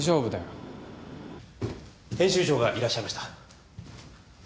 編集長がいらっしゃいました。